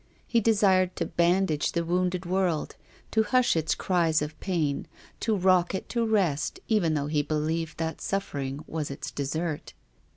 He desired to bandage the wounded world, to hush its cries of pain, to rock it to rest, even though he believed that suffering was its desert.